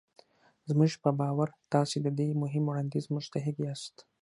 زموږ په باور تاسې د دې مهم وړانديز مستحق ياست.